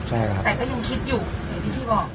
แล้วก็กลับบ้านแต่ก็ยังคิดอยู่เห็นพี่พี่บอก